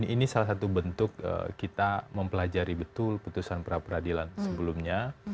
ini salah satu bentuk kita mempelajari betul putusan pra peradilan sebelumnya